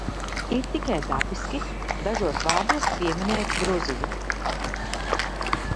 Ir tikai dabiski dažos vārdos pieminēt Gruziju.